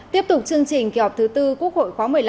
tiếp tục chương trình kỳ họp thứ tư quốc hội khóa một mươi năm